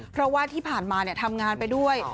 เพราะว่าที่ผ่านมาทำงานไปด้วย